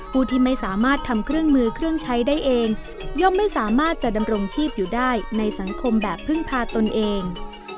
ผู้ที่ไม่สามารถทำเครื่องมือเครื่องใช้ได้เองย่อมไม่สามารถจะดำรงชีพอยู่ได้ในสังคมแบบพึ่งพาตนเอง